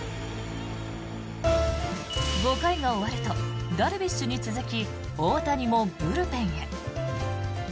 ５回が終わるとダルビッシュに続き大谷もブルペンへ。